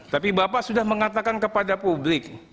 tapi bapak sudah mengatakan kepada publik